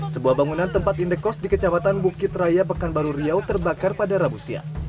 sebuah bangunan tempat indekos di kecamatan bukit raya pekanbaru riau terbakar pada rabu siang